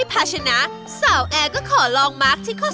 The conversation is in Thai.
โอ้โหโอ้โหโอ้โห